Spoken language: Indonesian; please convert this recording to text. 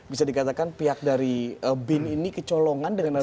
bisa dikatakan pihak dari bin ini kecolongan dengan